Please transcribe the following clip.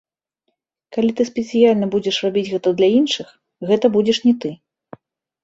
Калі ты спецыяльна будзеш рабіць гэта для іншых, гэта будзеш не ты.